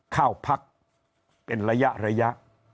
เข้าพักเป็นระยะระยะ